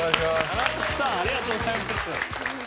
谷中さんありがとうございます。